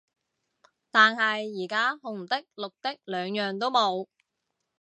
但係而家紅的綠的兩樣都冇